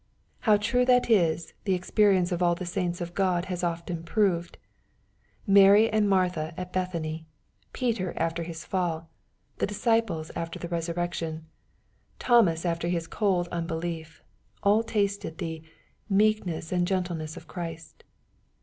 How true that is, the experience of all the saints of God has often proved. Mary and Martha at Bethany, Peter after his fall, the disciples after the resurrection, Thomas after his cold unbelief, all tasted the " meekness and gen tleness of Christ."